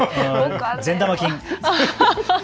善玉菌。